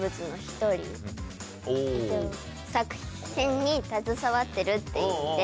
作品に携わってるっていう意味で。